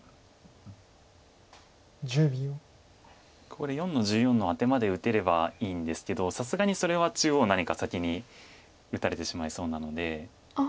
ここで４の十四のアテまで打てればいいんですけどさすがにそれは中央何か先に打たれてしまいそうなので。